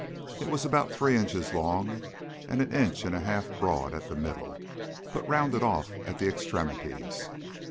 It was about three inches long, and an inch and a half broad at the middle, but rounded off at the extremities.